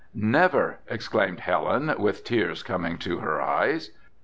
"Never," exclaimed Helen the tears coming to her eyes.